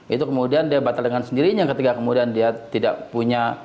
itu kemudian dia batal dengan sendirinya ketika kemudian dia tidak punya